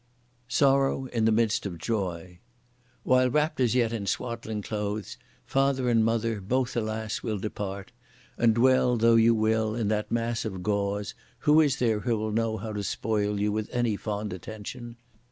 Sorrow in the midst of Joy. While wrapped as yet in swaddling clothes, father and mother, both alas! will depart, and dwell though you will in that mass of gauze, who is there who will know how to spoil you with any fond attention?